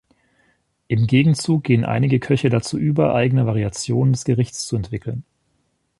Im Gegenzug gehen einige Köche dazu über, eigene Variationen des Gerichts zu entwickeln.